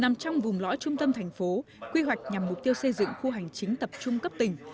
nằm trong vùng lõi trung tâm thành phố quy hoạch nhằm mục tiêu xây dựng khu hành chính tập trung cấp tỉnh